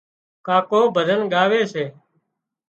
ڪاڪو ڀزن ڳاوي سي